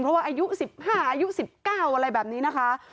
เพราะว่าอายุ๑๕อายุ๑๙อะไรแบบนี้นะคะ